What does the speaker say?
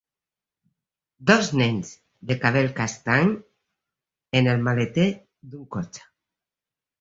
Dos nens de cabell castany en el maleter d'un cotxe.